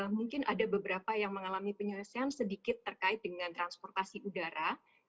mungkin ada beberapa yang mengalami penyelesaian sedikit terkait dengan transportasi udara